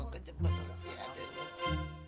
kecepetan sih adek lu